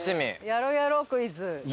やろうやろうクイズ。